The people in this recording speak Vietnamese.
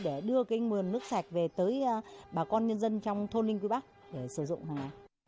để đưa cái nguồn nước sạch về tới bà con nhân dân trong thôn linh quỳ bắc để sử dụng hàng ngày